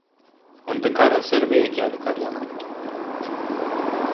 Hûn dikarin ser vê yekê alîkariya min bikin